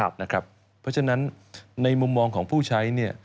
เพราะฉะนั้นในมุมมองของผู้ใช้